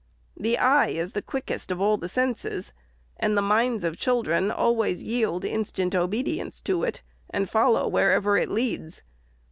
The eye is the quickest of all the senses, and the minds of children always yield instant obedience to it, and follow wherever it leads.